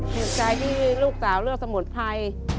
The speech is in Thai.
จิตใจที่ลูกสาวเลือกสมุนไพร